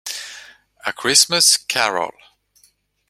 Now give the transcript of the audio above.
A Christmas Carol.